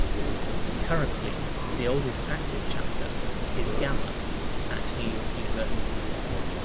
Currently, the oldest active chapter is Gamma at New York University.